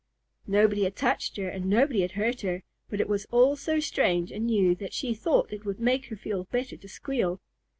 Nobody had touched her and nobody had hurt her, but it was all so strange and new that she thought it would make her feel better to squeal.